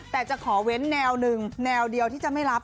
แต่จะขอเว้นแนวหนึ่งแนวเดียวที่จะไม่รับ